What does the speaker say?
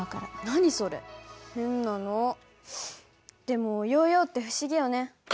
でもヨーヨーって不思議よね。